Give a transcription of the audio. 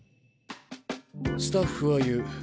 スタッフは言う。